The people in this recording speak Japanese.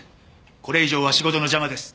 これ以上は仕事の邪魔です。